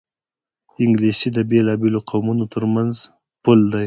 انګلیسي د بېلابېلو قومونو ترمنځ پُل دی